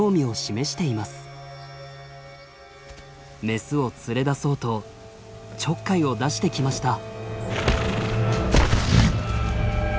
メスを連れ出そうとちょっかいを出してきました。